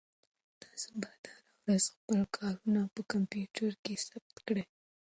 تاسو باید هره ورځ خپل کارونه په کمپیوټر کې ثبت کړئ.